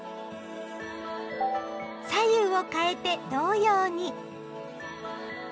左右をかえて同様に！